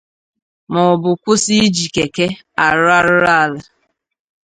maọbụ kwụsị iji keke arụ arụrụala